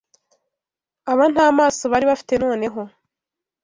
aba nta maso bari bafite noneho